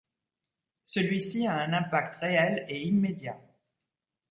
Celui-ci a un impact réel et immédiat.